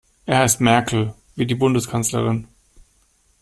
Er heißt Merkel, wie die Bundeskanzlerin.